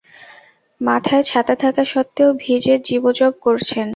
মাথায় ছাতা থাকা সত্ত্বেও ভিজে জীবজব করছেন।